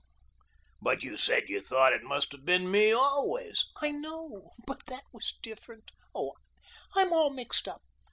"But you said you thought it must have been me always." "I know; but that was different oh, I'm all mixed up.